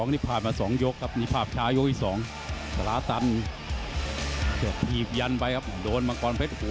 ต้องขยับหน่อยเนี่ยต้องออก